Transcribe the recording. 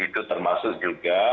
itu termasuk juga